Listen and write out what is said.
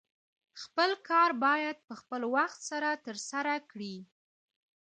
خپل کار باید په خپل وخت سره ترسره کړې